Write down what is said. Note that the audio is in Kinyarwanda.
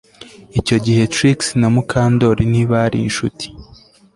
Icyo gihe Trix na Mukandoli ntibari inshuti